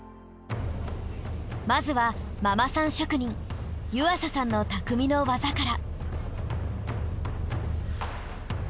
まずはママさん職人湯浅さんの匠の技から。